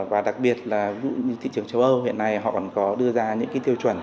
và đặc biệt là thị trường châu âu hiện nay họ còn có đưa ra những cái tiêu chuẩn